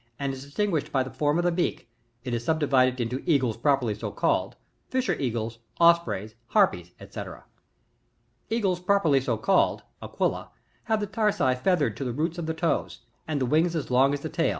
and is distinguished by the form of the beak; it is sub divided into Eagles properly so called, Fisher Eagles, Ospreys, Harpies, &c. 40. Eagles properlt so called, — ^qnila, — have the tarsi feathered to the roots of the toes, and the wings as long as the tail.